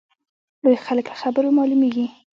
لوی خلک له خبرو معلومیږي.